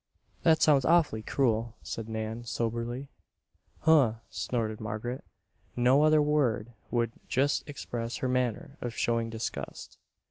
"That sounds awfully cruel," said Nan, soberly. "Huh!" snorted Margaret, no other word would just express her manner of showing disgust.